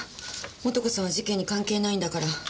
素子さんは事件に関係ないんだから。